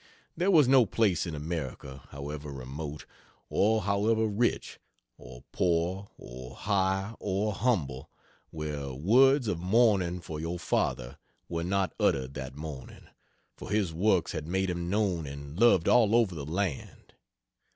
There was no place in America, however remote, or however rich, or poor or high or humble where words of mourning for your father were not uttered that morning, for his works had made him known and loved all over the land.